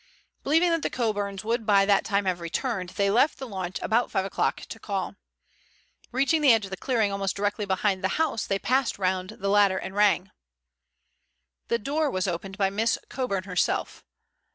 Believing that the Coburns would by that time have returned, they left the launch about five o'clock to call. Reaching the edge of the clearing almost directly behind the house, they passed round the latter and rang. The door was opened by Miss Coburn herself.